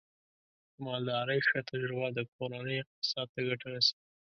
د مالدارۍ ښه تجربه د کورنۍ اقتصاد ته ګټه رسوي.